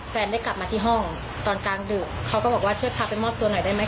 ได้กลับมาที่ห้องตอนกลางดึกเขาก็บอกว่าช่วยพาไปมอบตัวหน่อยได้ไหมค